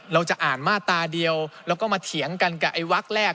เราจะอ่านมาตราเดียวแล้วก็มาเถียงกันกับไอ้วักแรก